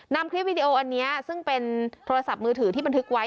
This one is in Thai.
นำคลิปวิดีโออันนี้ซึ่งเป็นโทรศัพท์มือถือที่บันทึกไว้